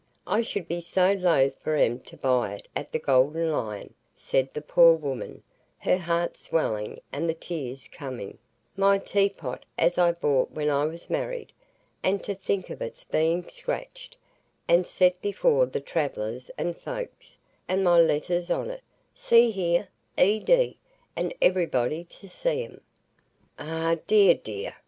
I should be so loath for 'em to buy it at the Golden Lion," said the poor woman, her heart swelling, and the tears coming,—"my teapot as I bought when I was married, and to think of its being scratched, and set before the travellers and folks, and my letters on it,—see here, E. D.,—and everybody to see 'em." "Ah, dear, dear!"